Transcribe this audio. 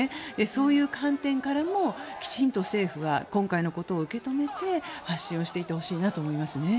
そういう観点からもきちんと政府は今回のことを受け止めて発信していってほしいなと思いますね。